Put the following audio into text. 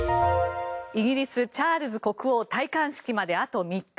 イギリスチャールズ国王戴冠式まであと３日。